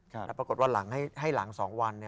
แต่ปรากฏว่าหลังสองวัน